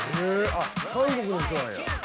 あっ韓国の人なんや。